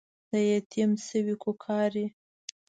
د يتيم سوې کوکارې